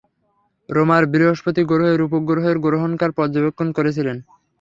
রোমার বৃহঃস্পতি গ্রহের উপগ্রহের গ্রহণকাল পর্যবেক্ষণ করেছিলেন।